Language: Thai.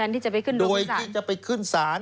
แทนที่จะไปขึ้นรุมศาล